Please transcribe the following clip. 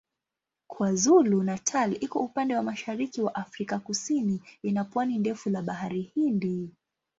KwaZulu-Natal iko upande wa mashariki wa Afrika Kusini ina pwani ndefu la Bahari Hindi.